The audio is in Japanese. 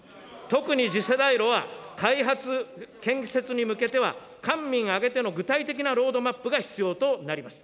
特に次世代炉は開発、建設に向けては官民挙げての具体的なロードマップが必要となります。